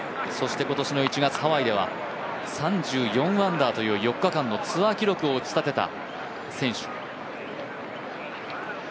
そして今年の１月、ハワイでは３４アンダーという４日間のツアー記録を打ち立てた選手。